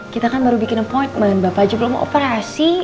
kita kan baru bikin amployment bapak aja belum operasi